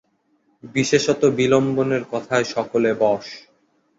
বিশেষত বিল্বনের কথায় সকলে বশ।